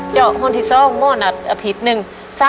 เจ้าห้อนที่สองม่อนัดอาทิตย์หนึ่ง๓๗๐